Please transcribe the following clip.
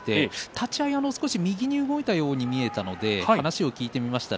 立ち合い少し右へ動いたように見えたので話を聞きました。